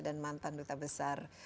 dan mantan duta besar